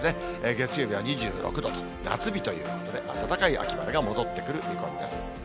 月曜日は２６度と、夏日ということで、暖かい秋晴れが戻ってくる見込みです。